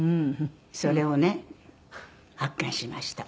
それをね発見しました。